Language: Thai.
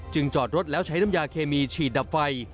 จอดรถแล้วใช้น้ำยาเคมีฉีดดับไฟ